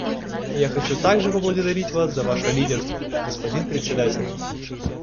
Я хочу также поблагодарить вас за ваше лидерство, господин Председатель.